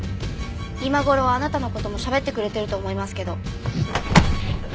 今頃はあなたの事もしゃべってくれてると思いますけど。